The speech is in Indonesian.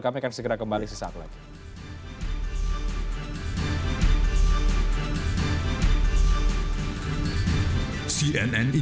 kami akan segera kembali sesaat lagi